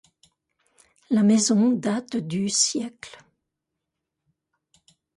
La maison date du siècle.